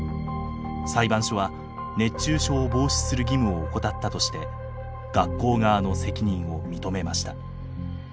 裁判所は熱中症を防止する義務を怠ったとして学校側の責任を認めました。